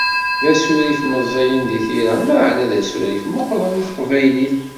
D asurif meẓẓiyen di tira, meεna d asurif meqqren i Teqbaylit!